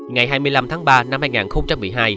ngày hai mươi năm tháng ba năm hai nghìn một mươi hai